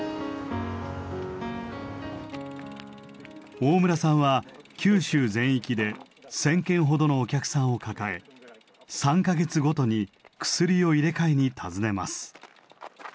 大村さんは九州全域で１，０００軒ほどのお客さんを抱え３か月ごとに薬を入れ替えに訪ねます。